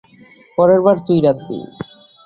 পরের বার, তুই রাঁধবি।